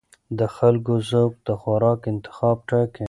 د خلکو ذوق د خوراک انتخاب ټاکي.